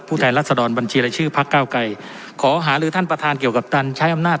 แทนรัศดรบัญชีรายชื่อพักเก้าไกรขอหาลือท่านประธานเกี่ยวกับการใช้อำนาจ